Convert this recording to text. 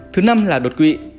thứ năm là đột quỵ